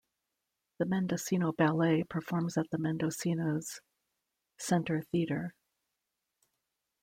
The Mendocino Ballet performs at the Mendocino's center theater.